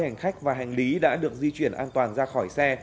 hành khách và hành lý đã được di chuyển an toàn ra khỏi xe